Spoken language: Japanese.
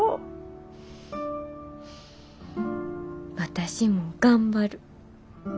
私も頑張る。